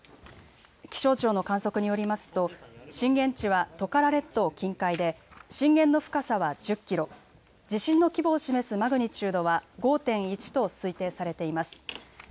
気象庁の観測によりますと震源地はトカラ列島近海で震源の深さは１０キロ、地震の規模を示すマグニチュードは５．１と推定されています。